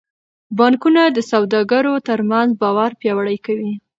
بانکونه د سوداګرو ترمنځ باور پیاوړی کوي.